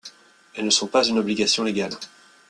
Elles ne sont pas une obligation légale.